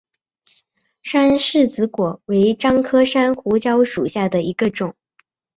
山柿子果为樟科山胡椒属下的一个种。